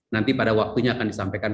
nanti pada waktunya akan disampaikan